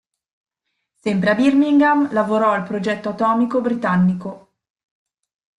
Sempre a Birmingham lavorò al progetto atomico britannico.